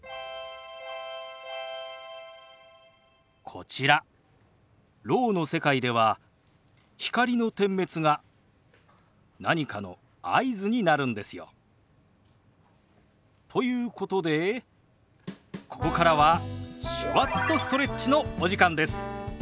こちらろうの世界では光の点滅が何かの合図になるんですよ。ということでここからは「手話っとストレッチ」のお時間です。